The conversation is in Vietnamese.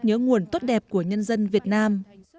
nó là nguồn tốt đẹp của nhân dân việt nam